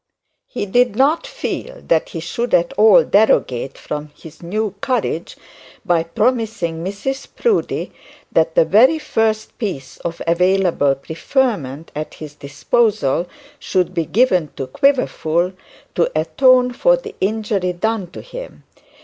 He did not feel that he should at all derogate from his new courage by promising Mrs Proudie that the very first piece of available preferment at his disposal should be given to Quiverful to atone for the injury done to him.